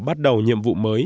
bắt đầu nhiệm vụ mới